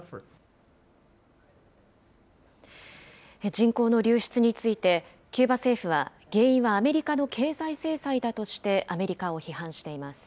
人口の流出について、キューバ政府は、原因はアメリカの経済制裁だとして、アメリカを批判しています。